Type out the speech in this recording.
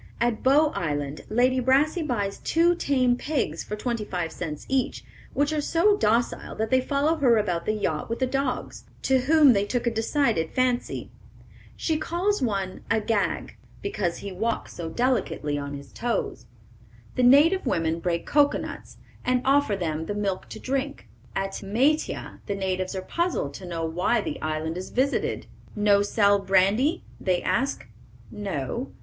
At Bow Island Lady Brassey buys two tame pigs for twenty five cents each, which are so docile that they follow her about the yacht with the dogs, to whom they took a decided fancy. She calls one Agag, because he walks so delicately on his toes. The native women break cocoanuts and offer them the milk to drink. At Maitea the natives are puzzled to know why the island is visited. "No sell brandy?" they ask. "No."